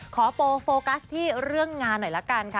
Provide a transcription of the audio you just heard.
ขอโฟกัสที่เรื่องงานหน่อยละกันค่ะ